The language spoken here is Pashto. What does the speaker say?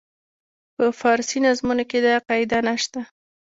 په فارسي نظمونو کې دا قاعده نه شته.